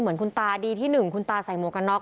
เหมือนคุณตาดีที่๑คุณตาใส่หมวกกันน็อ